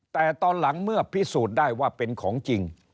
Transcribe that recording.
แต่ตอนหลังเมื่อพิสูจน์ได้ว่าเป็นของจริง